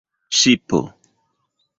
ŝipo